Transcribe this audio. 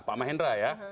pak mahendra ya